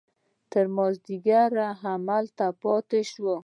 تر مازديګره هملته پاته سو.